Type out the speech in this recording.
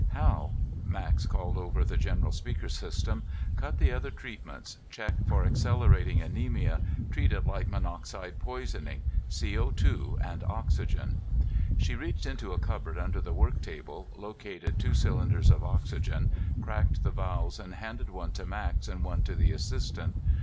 "Hal," Max called over the general speaker system, "cut the other treatments, check for accelerating anemia. Treat it like monoxide poisoning CO_ and oxygen." She reached into a cupboard under the work table, located two cylinders of oxygen, cracked the valves and handed one to Max and one to the assistant.